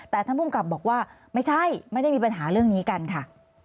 แต่ท่านภูมิกับบอกว่าไม่ใช่ไม่ได้มีปัญหาเรื่องนี้กันค่ะ